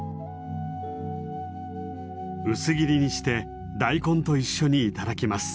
薄切りにして大根と一緒に頂きます。